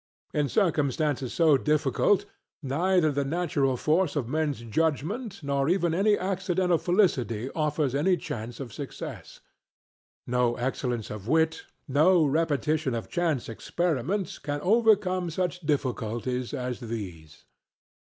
In circumstances so difficult neither the natural force of man's judgment nor even any accidental felicity offers any chance of success. No excellence of wit, no repetition of chance experiments, can overcome such difficulties as these.